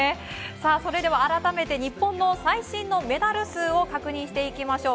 それでは改めて日本の最新のメダル数を確認していきましょう。